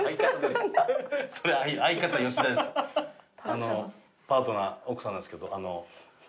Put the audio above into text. あのうパートナー奥さんなんですけど。